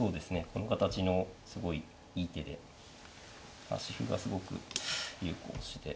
この形のすごいいい手で端歩がすごく有効して。